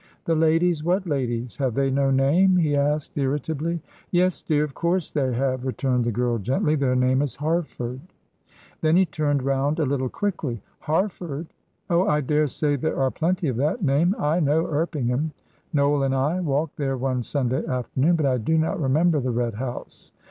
"The ladies. What ladies? Have they no name?" he asked, irritably. "Yes, dear, of course they have," returned the girl, gently. "Their name is Harford." Then he turned round a little quickly. "Harford. Oh, I daresay there are plenty of that name. I know Erpingham Noel and I walked there one Sunday afternoon; but I do not remember the Red House."